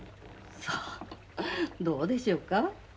さあどうでしょうか？